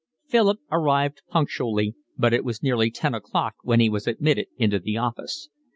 Philip arrived punctually, but it was nearly ten o'clock when he was admitted into the office.